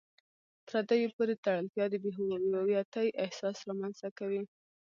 پردیو پورې تړلتیا د بې هویتۍ احساس رامنځته کوي.